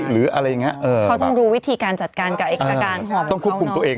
หรืออะไรอย่างนี้เขาต้องรู้วิธีการจัดการกับอาการหอมต้องควบคุมตัวเอง